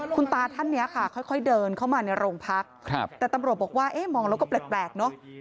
คุณตาท่านนี้ค่ะค่อยเดินเข้ามาในโรงพักแต่ตำรวจบอกว่าเอ๊ะมองแล้วก็แปลกเนอะ